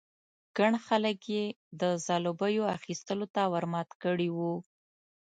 ګڼ خلک یې د ځلوبیو اخيستلو ته ور مات کړي وو.